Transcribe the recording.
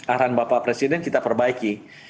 arahan bapak presiden kita perbaiki